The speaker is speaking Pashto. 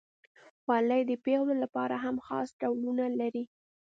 خولۍ د پیغلو لپاره هم خاص ډولونه لري.